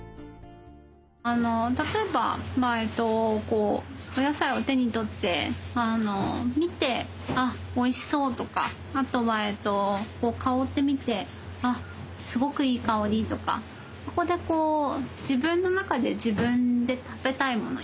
例えばお野菜を手に取って見てあおいしそうとかあとは香ってみてあすごくいい香りとかそこでこう自分の中で自分で食べたいもの